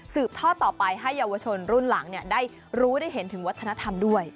ท่อต่อไปให้เยาวชนรุ่นหลังได้รู้ได้เห็นถึงวัฒนธรรมด้วย